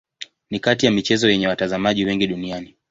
Ni kati ya michezo yenye watazamaji wengi duniani.